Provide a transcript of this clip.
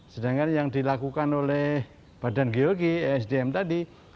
sedangkan yang dilakukan oleh badan geologi esdm tadi